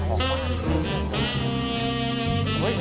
โอ้ย